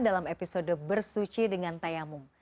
dalam episode bersucir dengan tayamu